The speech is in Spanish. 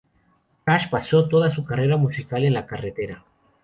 Cash pasó toda su carrera musical en la carretera.